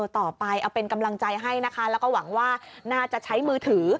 ต่อไปเอาเป็นกำลังใจให้นะคะแล้วก็หวังว่าน่าจะใช้มือถือ